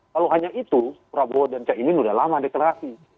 kalau hanya itu prabowo dan caimin sudah lama deklarasi